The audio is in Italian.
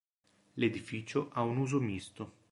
L'edificio ha un uso misto.